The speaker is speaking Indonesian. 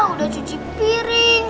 udah cuci piring